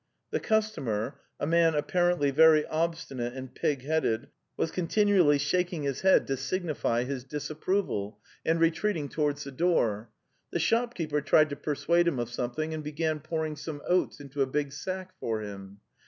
The customer, a man apparently very obstinate and pig headed, was continually shaking his head to sig " 238 The Wales\of /Chekhoy nify his disapproval, and retreating towards the door. The shopkeeper tried to persuade him of something and began pouring some oats into a big sack for him.